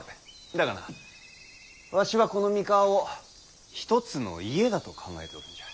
だがなわしはこの三河を一つの家だと考えておるんじゃ。